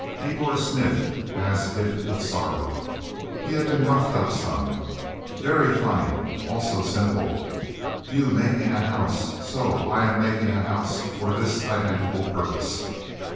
Igor sniffed, as if with sorrow. He had been roughed up, some. "Very funny also simple. You making a house, so I am making a house for this identical purpose.